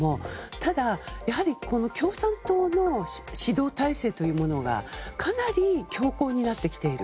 ただ、やはり共産党の指導体制というものがかなり強硬になってきている。